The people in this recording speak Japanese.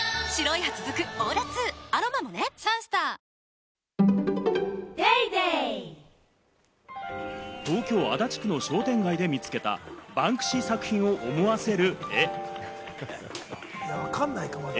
ニトリ東京・足立区の商店街で見つけたバンクシー作品を思わせる絵が。